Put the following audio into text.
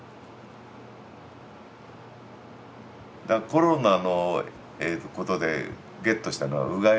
コロナのことでゲットしたのはうがいのしかた。